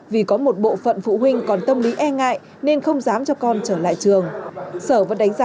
vì có một bộ phận phụ huynh còn tâm lý e ngại nên không dám cho con trở lại trường